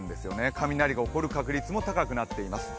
雷が起こる確率も高くなっています。